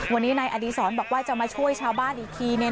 วันนี้ในอดีตสอนบอกว่าจะมาช่วยชาวบ้านอีกที